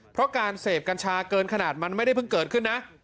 เพราะการเสพกัญชาเกินขนาดมันไม่ได้เพิ่งเกิดขึ้นนะ